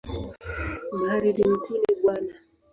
Mhariri mkuu ni Bw.